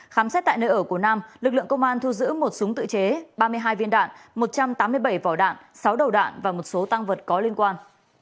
khám xét tại nơi ở của nam lực lượng công an thu giữ một súng tự chế ba mươi hai viên đạn một trăm tám mươi bảy vỏ đạn sáu đầu đạn và một số tăng vật có liên quan